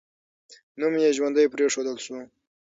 نوم یې ژوندی پرېښودل سو.